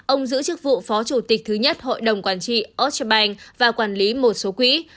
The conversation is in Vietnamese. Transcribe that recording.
ông giữ chức vụ phó chủ tịch thứ nhất hội đồng quản trị australia và quản lý một số quỹ